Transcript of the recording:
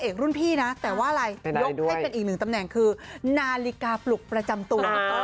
คุณผู้ชมค่ะสายม้าวเหมือนกันนะ